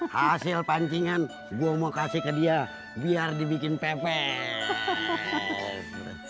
hasil pancingan gue mau kasih ke dia biar dibikin pepek